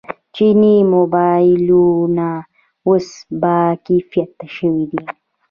چیني موبایلونه اوس باکیفیته شوي دي.